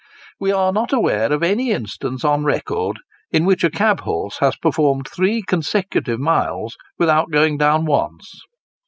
We are not aware of any instance on record in which a cab horse has performed three consecutive miles without going down once.